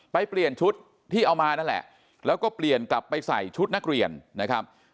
เปลี่ยนชุดที่เอามานั่นแหละแล้วก็เปลี่ยนกลับไปใส่ชุดนักเรียนนะครับ